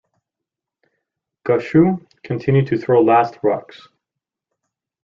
Gushue continued to throw last rocks.